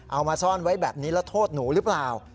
เอามาซ่อนไว้แบบนี้แล้วโทษหนูหรือเปล่า